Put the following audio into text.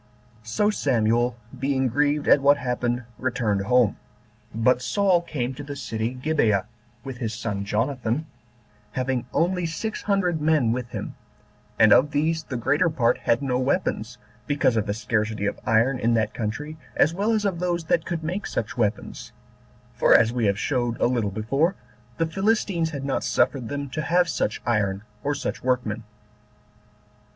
So Samuel, being grieved at what happened, returned home; but Saul came to the city Gibeah, with his son Jonathan, having only six hundred men with him; and of these the greater part had no weapons, because of the scarcity of iron in that country, as well as of those that could make such weapons; for, as we showed a little before, the Philistines had not suffered them to have such iron or such workmen.